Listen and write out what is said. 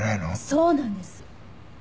そうなんです！